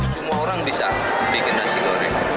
semua orang bisa bikin nasi goreng